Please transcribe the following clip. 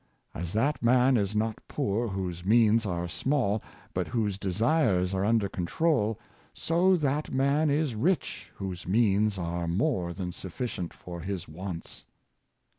As that man is not poor whose means are small but whose desires are under control, so that man is rich whose means are more than suffi cient for his wants.